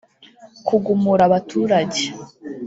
kugumura abaturage